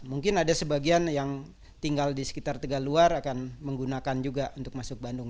mungkin ada sebagian yang tinggal di sekitar tegaluar akan menggunakan juga untuk masuk bandung